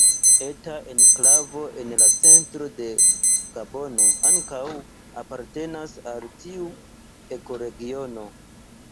Eta enklavo en la centro de Gabono ankaŭ apartenas al tiu ekoregiono.